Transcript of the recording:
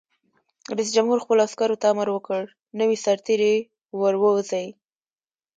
رئیس جمهور خپلو عسکرو ته امر وکړ؛ نوي سرتېري وروزیئ!